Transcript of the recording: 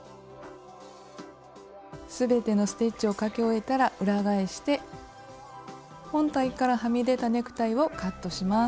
全てのステッチをかけ終えたら裏返して本体からはみ出たネクタイをカットします。